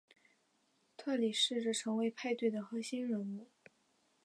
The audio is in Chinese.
特里试着成为派对的核心人物。